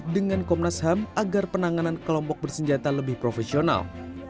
dengan komnas ham agar penanganan kelompok bersenjata lebih profesional